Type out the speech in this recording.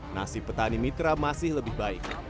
nasib petani mitra masih lebih baik